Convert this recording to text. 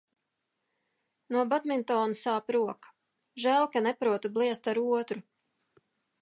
No badmintona sāp roka. Žēl, ka neprotu bliezt ar otru.